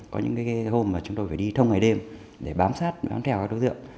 có những hôm mà chúng tôi phải đi thông ngày đêm để bám sát bám theo các đối tượng